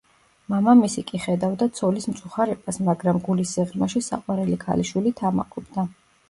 მამამისი კი ხედავდა ცოლის მწუხარებას, მაგრამ, გულის სიღრმეში საყვარელი ქალიშვილით ამაყობდა.